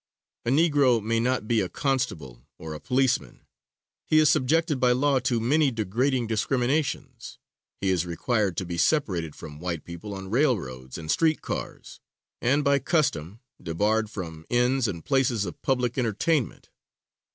A Negro may not be a constable or a policeman. He is subjected by law to many degrading discriminations. He is required to be separated from white people on railroads and street cars, and, by custom, debarred from inns and places of public entertainment.